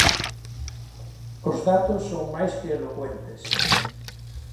Os datos son máis que elocuentes.